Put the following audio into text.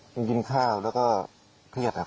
กินข้าวแล้วก็เครียดครับ